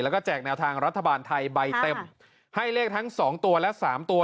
แล้วก็แจกแนวทางรัฐบาลไทยใบเต็มให้เลขทั้งสองตัวและสามตัว